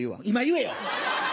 今言えよ！